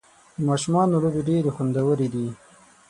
د ماشومانو لوبې ډېرې خوندورې دي.